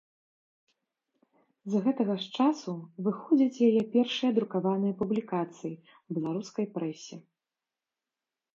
З гэтага ж часу выходзяць яе першыя друкаваныя публікацыі ў беларускай прэсе.